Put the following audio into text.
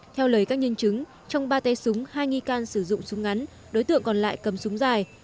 theo lời các nhân chứng trong ba tay súng hai nghi can sử dụng súng ngắn đối tượng còn lại cầm súng dài